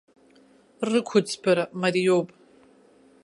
Рықәыӡбара мариоуп.